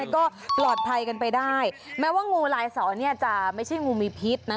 ก็ปลอดภัยกันไปได้แม้ว่างูลายสอนเนี่ยจะไม่ใช่งูมีพิษนะ